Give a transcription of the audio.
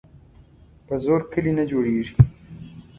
په زور کلي نه جوړیږي.